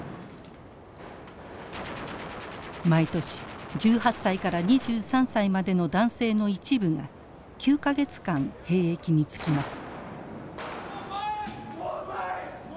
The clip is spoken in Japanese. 毎年１８歳から２３歳までの男性の一部が９か月間兵役に就きます。